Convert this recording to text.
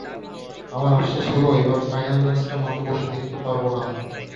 আমার আফসোস হলো, এবার ফাইনাল ম্যাচটা মাঠে বসে দেখতে পারব না।